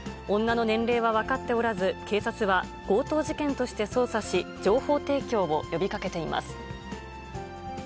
女の年齢は分かっておらず、警察は強盗事件として捜査し、情報提供を呼びかけています。